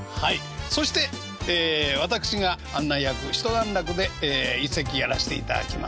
そして私が案内役一段落で一席やらせていただきます。